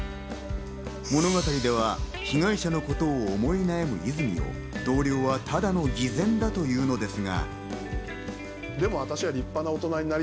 物語では被害者のことを思い悩む泉を同僚はただの偽善だというのですが。